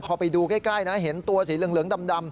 พอไปดูใกล้นะเห็นตัวสีเหลืองดำ